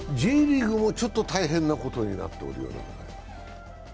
Ｊリーグもちょっと大変なことになっております。